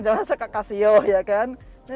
jangan jangan sekakasio ya kan